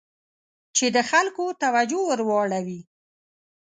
چې د خلکو توجه ور واړوي.